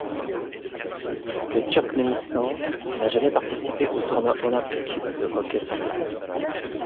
Le Turkménistan n'a jamais participé au tournoi olympique de hockey sur glace.